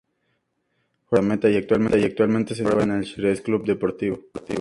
Juega de guardameta y actualmente se encuentra a prueba en el Xerez Club Deportivo.